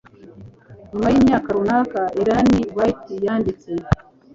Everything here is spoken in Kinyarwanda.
Nyuma y'imyaka runaka Ellen White yanditse